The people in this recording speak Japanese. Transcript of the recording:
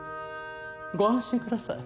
ご安心ください。